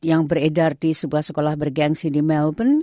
yang beredar di sebuah sekolah bergensi di melbourne